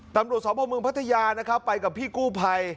ตำรูตสอบพลมกพัทยานะครับไปกับพี่กุ้วพัย